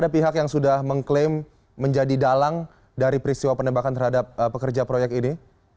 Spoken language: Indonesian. ada pihak yang sudah mengklaim menjadi dalang dari peristiwa penembakan terhadap pekerja proyek ini